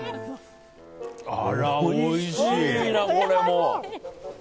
あら、おいしいな、これも。